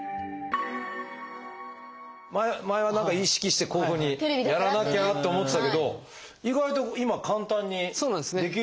前は何か意識してこういうふうにやらなきゃって思ってたけど意外と今簡単にできるようになってますね。